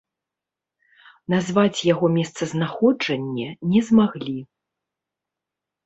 Назваць яго месцазнаходжанне не змаглі.